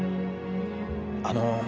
あの。